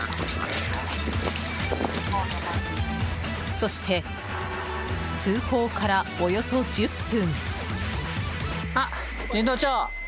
そして通報からおよそ１０分。